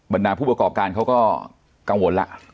นาผู้ประกอบการเขาก็กังวลแล้ว